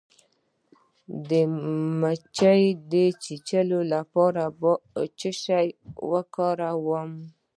د مچۍ د چیچلو لپاره باید څه شی وکاروم؟